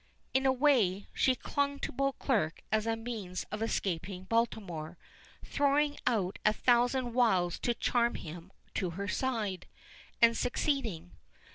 In a way, she clung to Beauclerk as a means of escaping Baltimore throwing out a thousand wiles to charm him to her side, and succeeding.